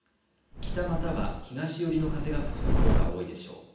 北または東寄りの風が吹くところが多いでしょう。